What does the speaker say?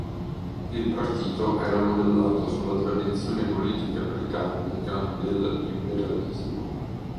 Il partito era modellato sulla tradizione politica britannica del liberalismo.